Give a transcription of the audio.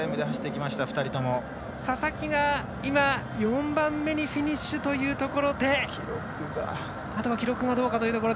佐々木が、今４番目にフィニッシュというところであとは記録がどうかというところ。